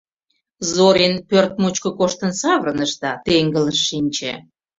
Зорин пӧрт мучко коштын савырныш да теҥгылыш шинче.